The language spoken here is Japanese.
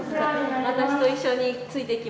私と一緒についてきます。